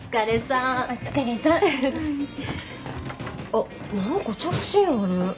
あっ何か着信ある。